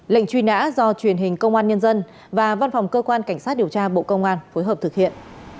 lệnh truy nã do truyền hình công an nhân dân và văn phòng cơ quan cảnh sát điều tra bộ công an phối hợp thực hiện